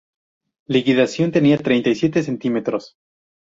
Liquidación tenía treinta y siete centímetros.